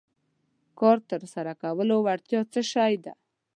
کار تر سره کولو وړتیا څه شی دی.